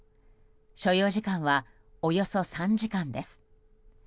所要時間はおよそ３時間です。